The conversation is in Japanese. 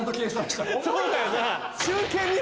そうだよな。